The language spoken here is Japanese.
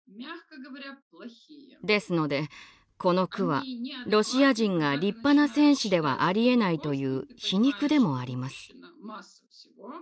ですのでこの句はロシア人が立派な戦士ではありえないという皮肉でもあります。